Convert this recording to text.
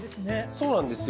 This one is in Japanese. そうなんですよ。